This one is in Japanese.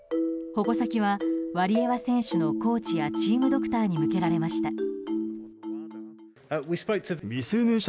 矛先はワリエワ選手のコーチやチームドクターに向けられました。